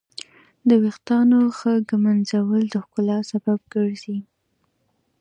د ویښتانو ښه ږمنځول د ښکلا سبب ګرځي.